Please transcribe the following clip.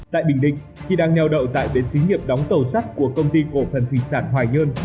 tại bình định khi đang nheo đậu tại biến sĩ nghiệp đóng tàu sắt của công ty cổ phần thủy sản hoài nhơn